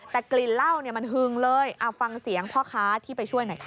แต่กลิ่นเหล้าเนี่ยมันหึงเลยเอาฟังเสียงพ่อค้าที่ไปช่วยหน่อยค่ะ